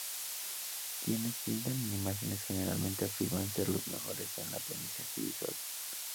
Quienes piensan en imágenes generalmente afirman ser los mejores en el aprendizaje visual.